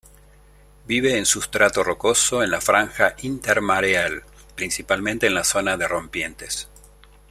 Vive en substrato rocoso en la franja intermareal, principalmente en la zona de rompientes.